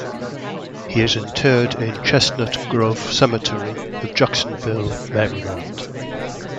He is interred in Chestnut Grove Cemetery of Jacksonville, Maryland.